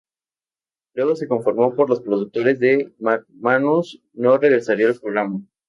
Luego se confirmó por los productores que McManus no regresaría al programa.